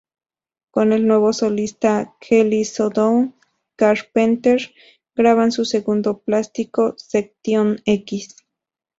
Con el nuevo solista, Kelly Sundown Carpenter, graban su segundo plástico: "Section X".